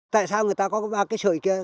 tại sao người ta có ba cái trời kia